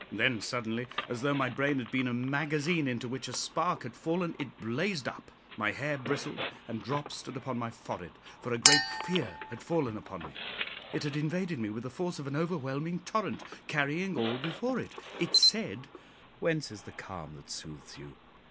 Then suddenly, as though my brain had been a magazine into which a spark had fallen, it blazed up; my hair bristled, and drops stood upon my forehead, for a great fear had fallen upon me. It had invaded me with the force of an overwhelming torrent, carrying all before it. It said, "Whence is the calm that soothes you?